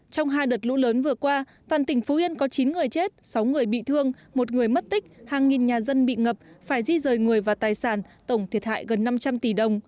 trong hai đợt lũ lớn vừa qua toàn tỉnh phú yên có chín người chết sáu người bị thương một người mất tích hàng nghìn nhà dân bị ngập phải di rời người và tài sản tổng thiệt hại gần năm trăm linh tỷ đồng